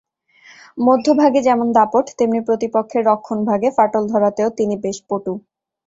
মধ্যভাগে যেমন দাপট, তেমনি প্রতিপক্ষের রক্ষণভাগে ফাটল ধরাতেও তিনি বেশ পটু।